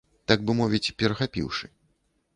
Так бы мовіць, перахапіўшы.